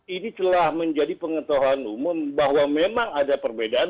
ini telah menjadi pengetahuan umum bahwa memang ada perbedaan